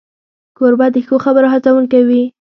کوربه د ښو خبرو هڅونکی وي.